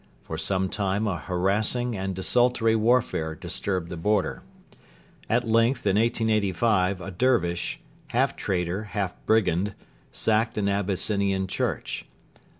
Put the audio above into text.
For some time a harassing and desultory warfare disturbed the border. At length in 1885 a Dervish half trader, half brigand sacked an Abyssinian church.